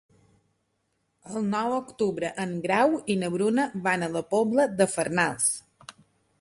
El nou d'octubre en Grau i na Bruna van a la Pobla de Farnals.